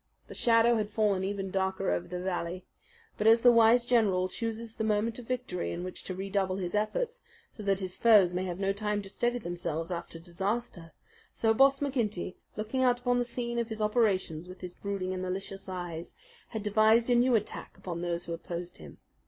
The shadow had fallen even darker over the valley. But as the wise general chooses the moment of victory in which to redouble his efforts, so that his foes may have no time to steady themselves after disaster, so Boss McGinty, looking out upon the scene of his operations with his brooding and malicious eyes, had devised a new attack upon those who opposed him.